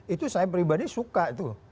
itu saya pribadi suka tuh